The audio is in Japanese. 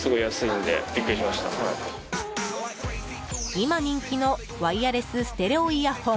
今人気のワイヤレスステレオイヤホン。